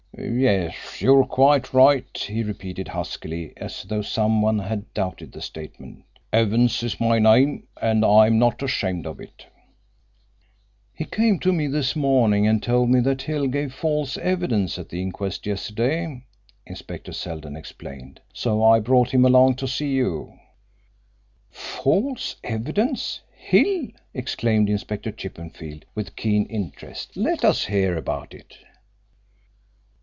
"Yes, you're quite right," he repeated huskily, as though some one had doubted the statement. "Evans is my name and I'm not ashamed of it." "He came to me this morning and told me that Hill gave false evidence at the inquest yesterday," Inspector Seldon explained. "So I brought him along to see you." "False evidence Hill?" exclaimed Inspector Chippenfield, with keen interest. "Let us hear about it."